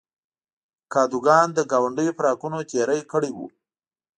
کادوګان د ګاونډیو پر حقونو تېری کړی و.